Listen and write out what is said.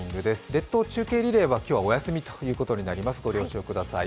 列島中継リレーは今日はお休みということになります、ご了承ください。